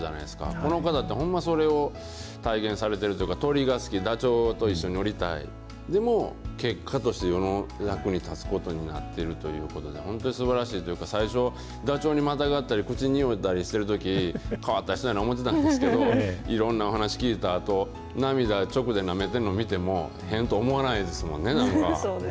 この方って、ほんまそれを体現されているというか、鳥が好き、ダチョウと一緒におりたい、でも結果として世の役に立つことになっているということで、本当にすばらしいというか、最初、ダチョウにまたがったり口におったりしてるとき、変わった人やなと思ってたんですけど、いろんなお話聞いたあと、涙、直でなめてるの見ても変と思わないですもんね、なんか。